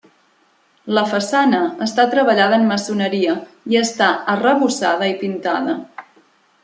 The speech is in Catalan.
La façana està treballada en maçoneria i està arrebossada i pintada.